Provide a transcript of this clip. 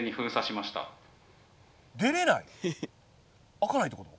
開かないってこと？